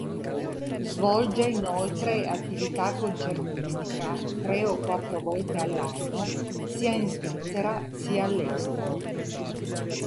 Svolge inoltre attività concertistica, tre o quattro volte all'anno sia in Svizzera sia all'estero.